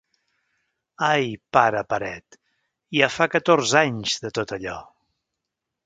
Ai, pare paret, ja fa catorze anys, de tot allò.